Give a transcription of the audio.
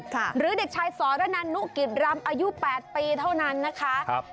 หรือเด็กชายสรณันนุกิจรำอายุ๘ปีเท่านั้นนะคะครับ